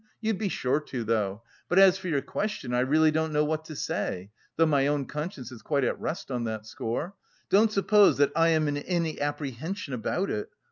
You'd be sure to, though.... But as for your question, I really don't know what to say, though my own conscience is quite at rest on that score. Don't suppose that I am in any apprehension about it.